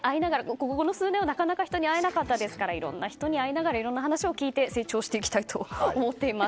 ここ数年はなかなか人に会えなかったですからいろんな人に会いながらいろんな話を聞いて成長していきたいと思っています。